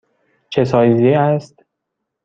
چه سایزی است؟